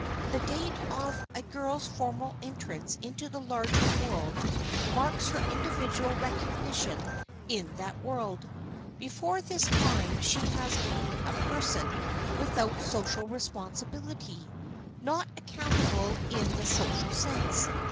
The date of a girl's formal entrance into the larger world marks her individual recognition in that world. Before this time she has been a person without social responsibility, not accountable in the social sense.